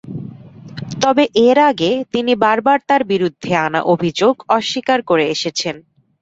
তবে এর আগে তিনি বারবার তাঁর বিরুদ্ধে আনা অভিযোগ অস্বীকার করে এসেছেন।